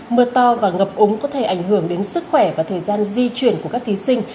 mưa to và ngập úng có thể ảnh hưởng đến sức khỏe và thời gian di chuyển của các thí sinh